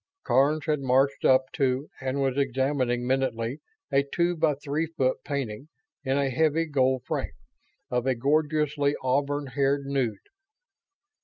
Karns had marched up to and was examining minutely a two by three foot painting, in a heavy gold frame, of a gorgeously auburn haired nude.